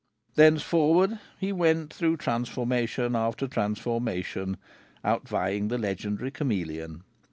Thenceforward he went through transformation after transformation, outvying the legendary chameleon.